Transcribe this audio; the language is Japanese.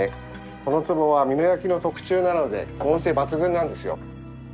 このつぼは美濃焼の特注なので保温性抜群なんですよ。